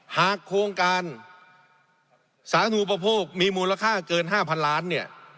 หากโครงการสาธุประโภคมีมูลค่าเกิน๕๐๐๐ล้านเนี่ย